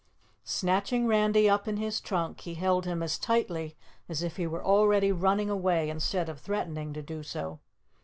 Snatching Randy up in his trunk, he held him as tightly as if he were already running away instead of threatening to do so.